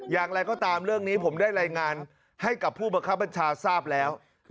อย่างไรก็ตามเรื่องนี้ผมได้รายงานให้กับผู้บังคับบัญชาทราบแล้ว